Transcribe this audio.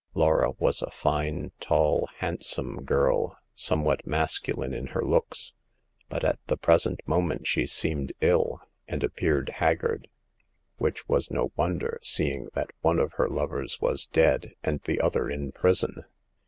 Laura was a fine, tall, handsome girl, some what masculine in her looks ; but at the present moment she seemed ill, and appeared haggard — which was no wonder, seeing that one of her lovers was dead, and the other in prison.